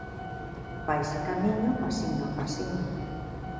Faise camiño pasiño a pasiño.